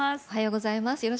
おはようございます。